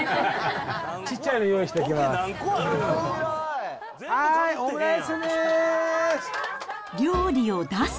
ちっちゃいの用意しときます。